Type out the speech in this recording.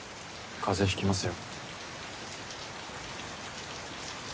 風邪ひきますよ。